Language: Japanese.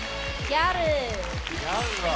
ギャルだ。